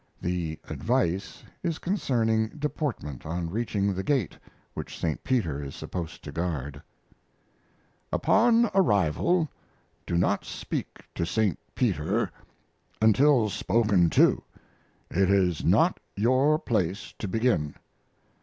The "advice" is concerning deportment on reaching the Gate which St. Peter is supposed to guard Upon arrival do not speak to St. Peter until spoken to. It is not your place to begin.